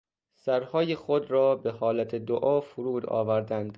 سرهای خود را بهحالت دعا فرود آوردند.